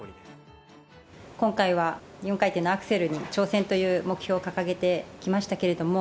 今回は４回転のアクセルに挑戦という目標を掲げてきましたけ